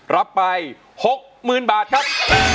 รับไป๖๐๐๐บาทครับ